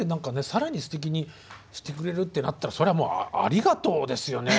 更にすてきにしてくれるってなったらそれはもうありがとうですよね。